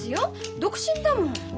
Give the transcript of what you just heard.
独身だもん。